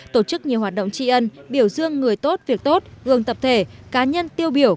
tổ chức nhiều hoạt động tri ân biểu dương người tốt việc tốt gương tập thể cá nhân tiêu biểu